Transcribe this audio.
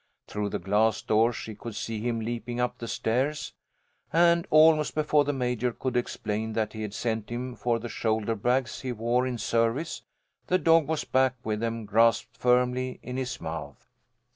Through the glass doors she could see him leaping up the stairs, and, almost before the Major could explain that he had sent him for the shoulder bags he wore in service, the dog was back with them grasped firmly in his mouth.